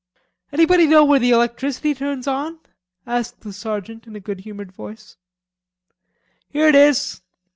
"Anybody know where the electricity turns on?" asked the sergeant in a good humored voice. "Here it is."